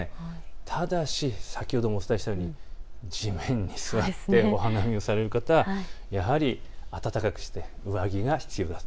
ただし先ほどもお伝えしたように地面に座ってお花見される方はやはり暖かくして上着が必要だと。